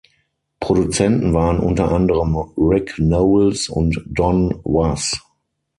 Produzenten waren unter anderem Rick Nowels und Don Was.